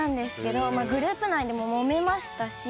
グループ内でももめましたし。